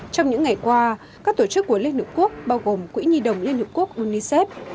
trong những ngày qua các tổ chức của liên hợp quốc bao gồm quỹ nhi đồng liên hợp quốc unicef